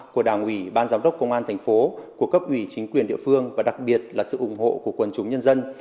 của đảng ủy ban giám đốc công an thành phố của cấp ủy chính quyền địa phương và đặc biệt là sự ủng hộ của quần chúng nhân dân